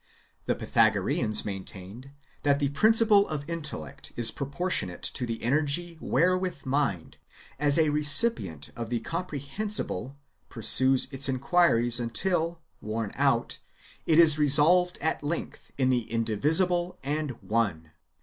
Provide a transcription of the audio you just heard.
The [Pythagoreans] maintained that the" principle of intellect is proportionate to the energy where with mind, as a recipient of the comprehensible, pursues its inquiries, until, worn out, it is resolved at length in the Indi visible and One.